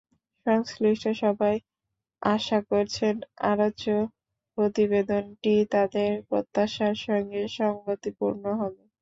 সংশ্লিষ্ট সবাই আশা করছেন, আলোচ্য প্রতিবেদনটি তাঁদের প্রত্যাশার সঙ্গে সংগতিপূর্ণ হবে।